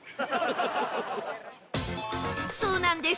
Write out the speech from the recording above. そうなんです。